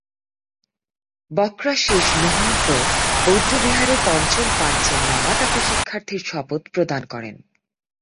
ব্ক্রা-শিস-ল্হুন-পো বৌদ্ধবিহারে পঞ্চম পাঞ্চেন লামা তাকে শিক্ষার্থীর শপথ প্রদান করেন।